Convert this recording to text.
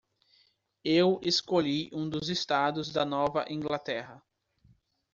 Eu escolhi um dos estados da Nova Inglaterra.